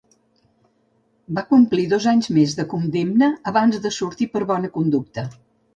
Va complir dos anys més de condemna abans de sortir per bona conducta.